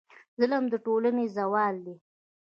ظلم د ټولنې زوال دی.